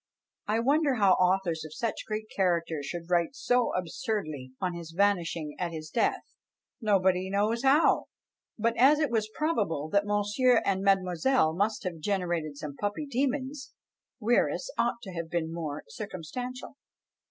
I wonder how authors of such great character should write so absurdly on his vanishing at his death, nobody knows how!" But as it is probable that Monsieur and Mademoiselle must have generated some puppy demons, Wierus ought to have been more circumstantial.